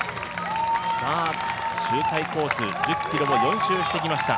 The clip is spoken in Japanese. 周回コース、１０ｋｍを４周してきました。